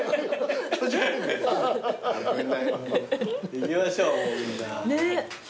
行きましょうみんな。